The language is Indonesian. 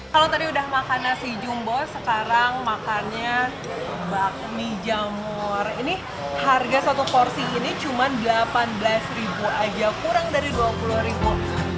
kalau tadi udah makan nasi jumbo sekarang makannya bakmi jamur ini harga satu porsi ini cuma delapan belas aja kurang dari dua puluh ribu